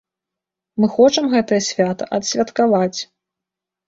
Мы хочам гэтае свята адсвяткаваць.